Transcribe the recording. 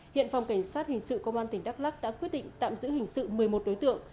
hiện phòng cảnh sát hình sự công an tỉnh đắk lắc đã quyết định tạm giữ hình sự một mươi một đối tượng